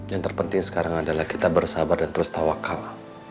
yang terpenting sekarang adalah kita bersabar dan terus tawakal